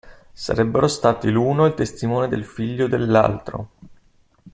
Sarebbero stati l'uno il testimone del figlio dell'altro.